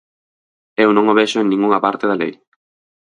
Eu non o vexo en ningunha parte da lei.